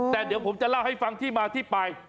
แต่เดี๋ยวผมจะเล่าให้ฟังที่มาที่ไป